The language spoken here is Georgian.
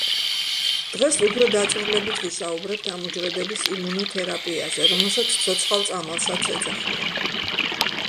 დღეს უფრო დაწვრილებით ვისაუბრებთ ამ უჯრედების იმუნოთერაპიაზე, რომელსაც ცოცხალ წამალსაც ეძახიან.